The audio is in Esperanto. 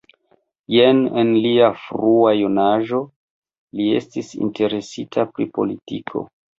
Jam en lia frua junaĝo li estis interesita pri politiko.